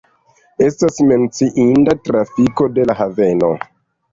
Estas menciinda trafiko de la haveno.